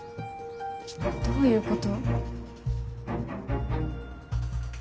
どういうこと？